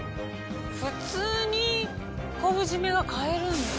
普通に昆布締めが買えるんだ。